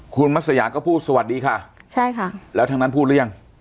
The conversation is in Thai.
คุณมัศยาก็พูดสวัสดีค่ะใช่ค่ะแล้วทางนั้นพูดหรือยัง